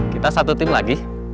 kita satu tim lagi